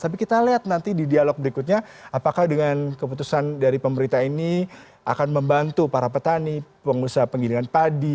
tapi kita lihat nanti di dialog berikutnya apakah dengan keputusan dari pemerintah ini akan membantu para petani pengusaha penggilingan padi